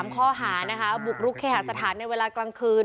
ข้อหานะคะบุกรุกเคหาสถานในเวลากลางคืน